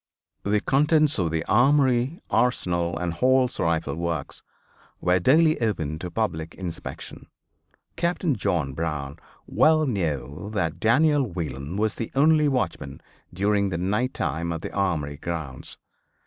The contents of the Armory, Arsenal and Hall's Rifle Works were daily open to public inspection. Captain John Brown well knew that Daniel Whelan was the only watchman, during the night time, at the Armory grounds.